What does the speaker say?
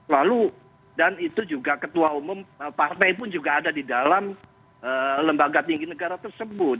lalu dan itu juga ketua umum partai pun juga ada di dalam lembaga tinggi negara tersebut